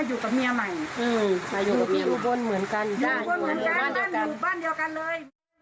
อยู่กับที่อุบนเหมือนกัน